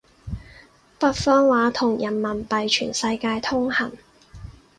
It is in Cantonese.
北方話同人民幣全世界通行